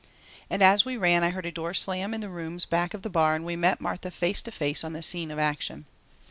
And as we ran I heard a door slam in the rooms back of the bar and we met Martha face to face on the scene of action.